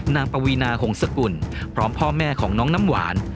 ปวีนาหงษกุลพร้อมพ่อแม่ของน้องน้ำหวาน